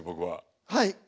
はい。